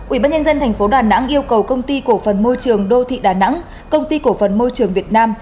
ủy ban nhân dân tp đà nẵng yêu cầu công ty cổ phần môi trường đô thị đà nẵng công ty cổ phần môi trường việt nam